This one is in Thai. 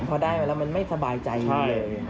พอได้มาแล้วมันไม่สบายใจเลย